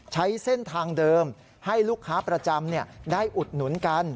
ใช้เส้นทางเดิมให้ลูกค้าประจำได้อุดหนุนกัน